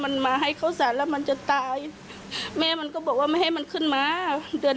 มันมาให้ข้าวสารแล้วมันจะตายแม่มันก็บอกว่าไม่ให้มันขึ้นมามันเตือน